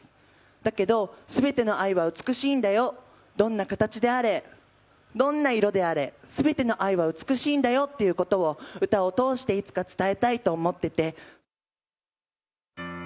だけど、すべての愛は美しいんだよ、どんな形であれ、どんな色であれ、すべての愛は美しいんだよってことを、歌を通していつか伝えたいと思ってて。